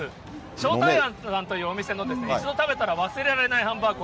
しょうたいあんさんというお店の、一度食べたら忘れられないハンバーグ。